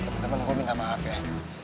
temen temen gue minta maaf ya